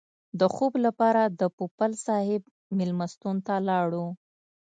د خوب لپاره د پوپل صاحب مېلمستون ته لاړو.